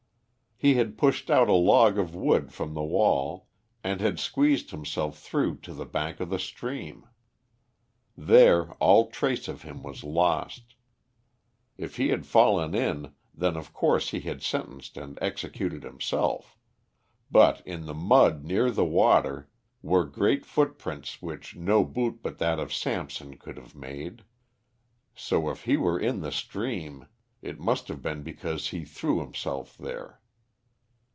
He had pushed out a log of wood from the wall, and had squeezed himself through to the bank of the stream. There all trace of him was lost. If he had fallen in, then of course he had sentenced and executed himself, but in the mud near the water were great footprints which no boot but that of Samson could have made; so if he were in the stream it must have been because he threw himself there.